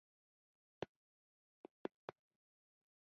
زموږ د بنسټونو تیوري دغو ټولو پوښتونو ته ځواب وايي.